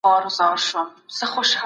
سرمایه داري نظام په نړۍ واکمن دی.